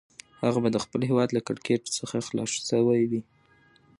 هغه به د خپل هیواد له کړکېچ څخه خلاص شوی وي.